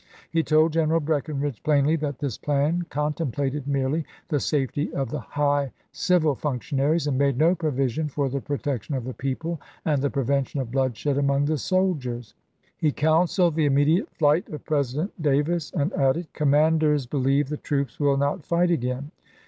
He told General Breckinridge plainly that this plan contemplated merely the safety of the " high civil functionaries," and made no provision for the protection of the people and the prevention of bloodshed among the soldiers. He counseled the immediate flight of President Davis, and added, "Commanders believe the troops will not fight again."